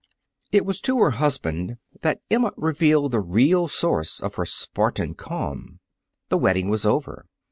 It was to her husband that Emma revealed the real source of her Spartan calm. The wedding was over.